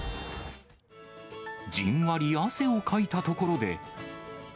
じんわり汗をかいたところで。